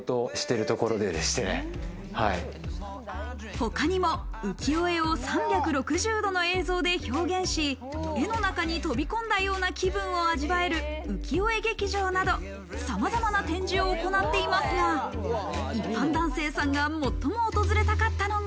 他にも浮世絵を３６０度の映像で表現し、絵の中に飛び込んだような気分を味わえる浮世絵劇場など、さまざまな展示を行っていますが、一般男性さんが最も訪れたかったのが。